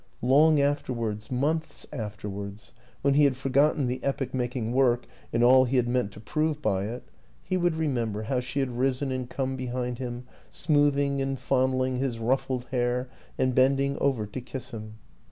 Long afterwards, months afterwards, when he had forgotten the epoch making work and all he had meant to prove by it, he would remember how she had risen and come behind him, smoothing and fondling his ruffled hair and bending over to kiss him.